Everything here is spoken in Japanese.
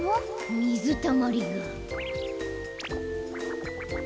みずたまりが。